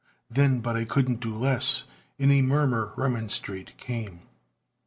Then, "But I couldn't do less!" in a murmur remonstrant came.